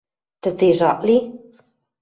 Тӹтежӹ ак ли.